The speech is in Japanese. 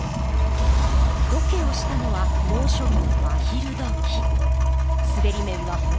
ロケをしたのは猛暑日の真昼どき。